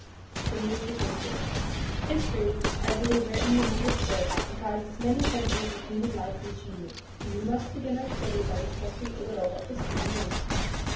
The Meaning of History. History, as it is written and understood, comprises many centuries of human life and achievement, and we must begin our study by discussing a little what history means.